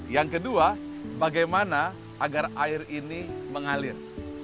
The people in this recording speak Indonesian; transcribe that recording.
yang kedua bagaimana agar air ini mengalir